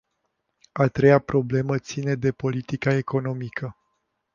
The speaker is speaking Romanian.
A treia problemă ține de politica economică.